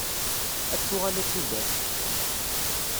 Ad tuɣal ad tt-id-taf.